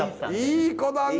いい子だね！